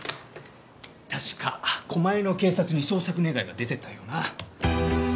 確か狛江の警察に捜索願が出てたよな。